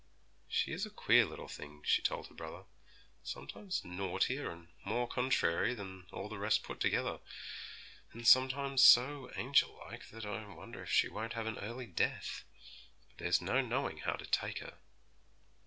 'She is a queer little thing,' she told her brother; 'sometimes naughtier and more contrary than all the rest put together, and sometimes so angel like that I wonder if she won't have an early death. But there's no knowing how to take her!'